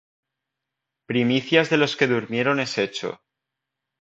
primicias de los que durmieron es hecho.